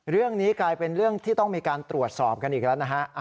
เรื่องนี้กลายเป็นเรื่องที่ต้องมีการตรวจสอบกันอีกแล้วนะฮะ